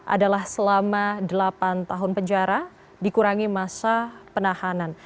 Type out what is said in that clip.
adalah selama delapan tahun penjara dikurangi masa penahanan